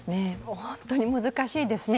ホントに難しいですね。